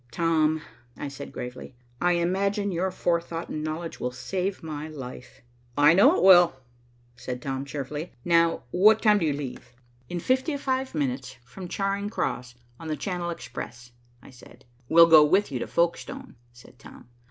"Tom," I said gravely, "I imagine your forethought and knowledge will save my life." "I know it will," said Tom cheerfully. "Now, what time do you leave?" "In fifty five minutes, from Charing Cross, on the Channel Express," I said. "We'll go with you to Folkestone," said Tom.